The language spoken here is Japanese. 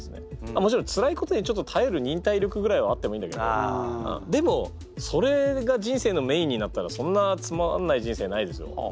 もちろんつらいことにたえる忍耐力ぐらいはあってもいいんだけどでもそれが人生のメインになったらそんなつまんない人生ないですよ。